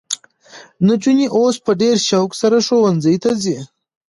نجونې اوس په ډېر شوق سره ښوونځي ته ځي.